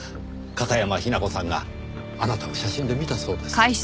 片山雛子さんがあなたを写真で見たそうです。